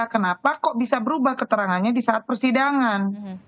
kenapa kok bisa berubah keterangannya di saat persidangan